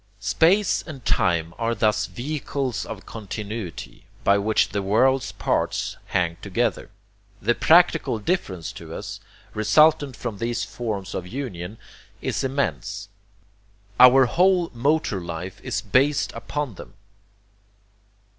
Space and time are thus vehicles of continuity, by which the world's parts hang together. The practical difference to us, resultant from these forms of union, is immense. Our whole motor life is based upon them.